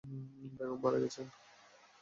বেগম মারা গেছেন?